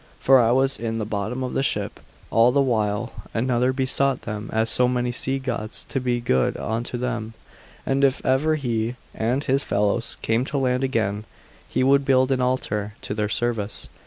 for I was in the bottom of the ship all the while: another besought them as so many sea gods to be good unto them, and if ever he and his fellows came to land again, he would build an altar to their service.